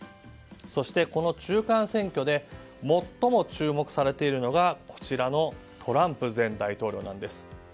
そして、この中間選挙で最も注目されているのがこちらのトランプ前大統領です。